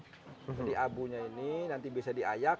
jadi abunya ini nanti bisa diayak